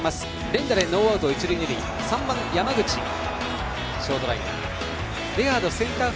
連打でノーアウト一塁二塁で３番の山口はショートライナー。